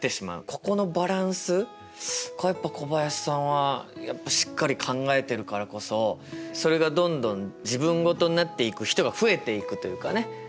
ここのバランスがやっぱ小林さんはしっかり考えてるからこそそれがどんどん自分事になっていく人が増えていくというかね。